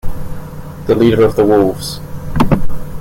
The leader of the wolves.